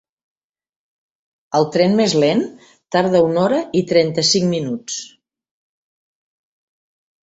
El tren més lent tarda una hora i trenta-cinc minuts.